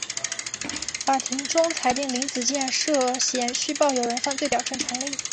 法庭终裁定林子健涉嫌虚报有人犯罪表证成立。